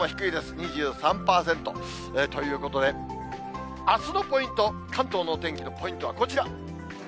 ２３％ということで、あすのポイント、関東のお天気のポイントはこちら。